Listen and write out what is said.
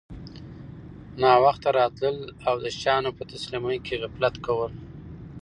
ناوخته راتلل او د شیانو په تسلیمۍ کي غفلت کول